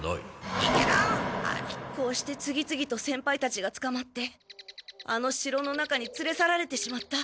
こうして次々と先輩たちがつかまってあの城の中につれ去られてしまった。